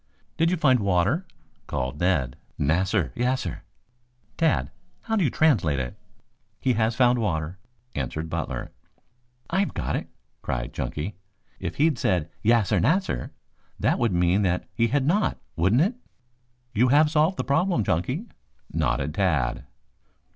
"Did you find water?" called Ned. "Nassir, yassir." "Tad, how do you translate it?" "He has found water," answered Butler. "I've got it," cried Chunky. "If he'd said 'yassir, nassir,' that would mean that he had not, wouldn't it?" "You have solved the problem, Chunky," nodded Tad.